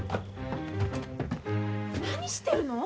何してるの？